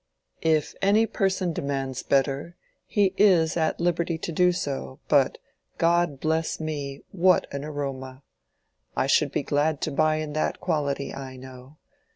"If any person demands better, he is at liberty to do so; but, God bless me, what an aroma! I should be glad to buy in that quality, I know.